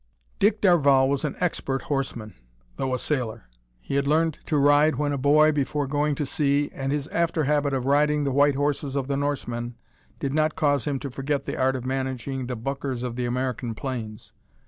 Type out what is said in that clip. Dick Darvall was an expert horseman though a sailor. He had learned to ride when a boy, before going to sea, and his after habit of riding the "white horses" of the Norseman, did not cause him to forget the art of managing the "buckers" of the American plains.